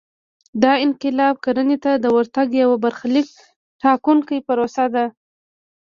دا انقلاب کرنې ته د ورتګ یوه برخلیک ټاکونکې پروسه وه